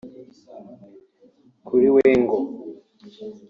Kuri we ngo